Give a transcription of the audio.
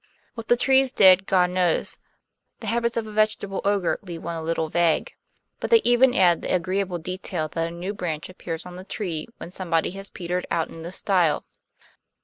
What the trees did God knows; the habits of a vegetable ogre leave one a little vague. But they even add the agreeable detail that a new branch appears on the tree when somebody has petered out in this style."